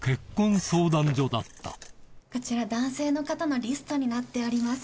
こちら男性の方のリストになっております。